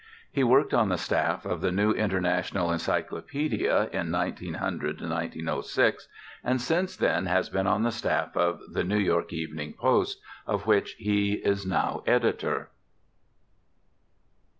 He worked on the staff of the New International Encyclopædia in 1900 06, and since then has been on the staff of the New York Evening Post, of which he is now editor.